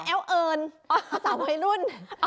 มาแอวเหินสามหัวลูน